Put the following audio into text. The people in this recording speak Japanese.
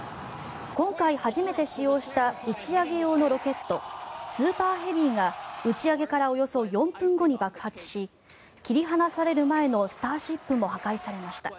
今回初めて使用した打ち上げ用のロケットスーパーヘビーが打ち上げからおよそ４分後に爆発し切り離される前のスターシップも破壊されました。